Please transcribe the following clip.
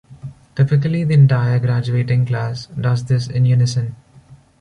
Typically, the entire graduating class does this in unison.